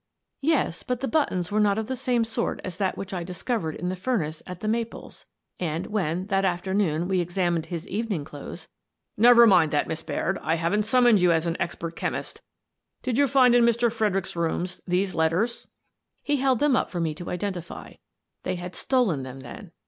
" Yes, but the buttons were not of the same sort as that which I discovered in the furnace at * The Maples/ and when, that afternoon, we examined his evening clothes —"" Never mind that, Miss Baird. I haven't sum moned you as an expert chemist Did you find, in Mr. Fredericks's rooms, these letters?" He held them up for me to identify, — they had stolen them, then!